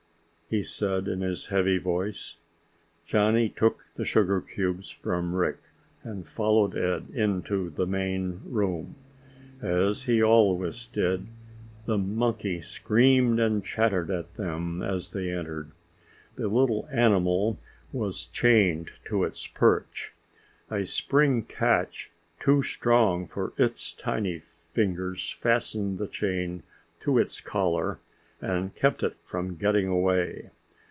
he said in his heavy voice. Johnny took the sugar cubes from Rick and followed Ed into the main room. As he always did, the monkey screamed and chattered at them as they entered. The little animal was chained to its perch. A spring catch too strong for its tiny fingers fastened the chain to its collar and kept it from getting away.